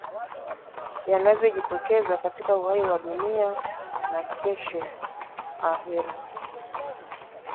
yanavyojitokeza katika uhai wa dunia na kesho ahera